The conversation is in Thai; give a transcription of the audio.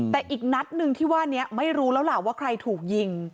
แต่อีกนัดหนึ่งที่ว่านี้ไม่รู้แล้วล่ะว่าใครถูกยิง